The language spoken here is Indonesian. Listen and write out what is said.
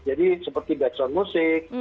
jadi seperti background musik